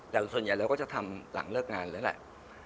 แต่ส่วนใหญ่เราก็จะทำหลังเลิกงานแล้วแหละ